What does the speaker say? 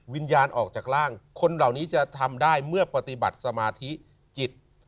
วิญญาณออกจากร่างคนเหล่านี้จะทำได้เมื่อปฏิบัติสมาธิจิต